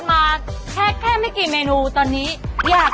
เมนูเยอะมาก